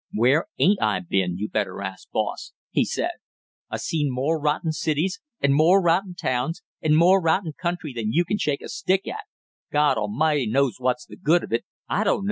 "Where ain't I been, you better ask, boss," he said. "I seen more rotten cities and more rotten towns and more rotten country than you can shake a stick at; God A'mighty knows what's the good of it I dunno!